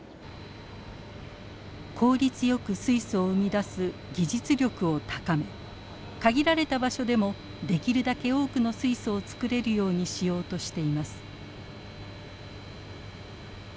効率よく水素を生み出す技術力を高め限られた場所でもできるだけ多くの水素を作れるようにしようとしています。